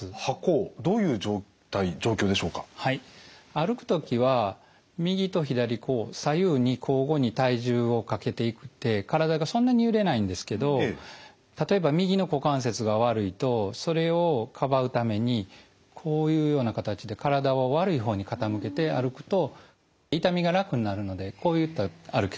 歩く時は右と左こう左右に交互に体重をかけていって体がそんなに揺れないんですけど例えば右の股関節が悪いとそれをかばうためにこういうような形で体を悪い方に傾けて歩くと痛みが楽になるのでこういった歩き方が特徴です。